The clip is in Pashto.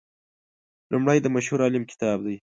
لومړی د مشهور عالم کتاب دی.